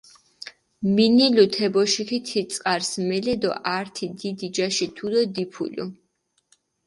მინილუ თე ბოშიქ თი წყარს მელე დო ართი დიდი ჯაში თუდო დიფულჷ.